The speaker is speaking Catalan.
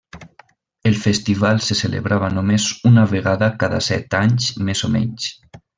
El festival se celebrava només una vegada cada set anys més o menys.